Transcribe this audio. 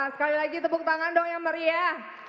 sekali lagi tepuk tangan dong yang meriah